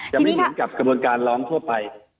ไม่เหมือนกับกระบวนการร้องทั่วไป